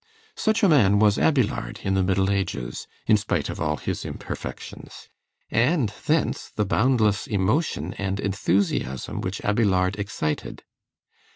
Such a man was Abélard in the Middle Ages, in spite of all his imperfections; and thence the boundless emotion and enthusiasm which Abélard excited.